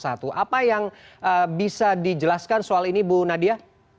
apa yang bisa dijelaskan soal ini bu nadia